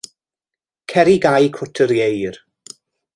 Cer i gau cwt yr ieir.